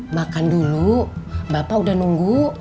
makan dulu bapak udah nunggu